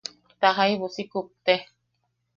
Ta jaibu si kupte.